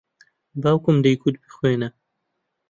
باوکم دەیگوت بخوێنە.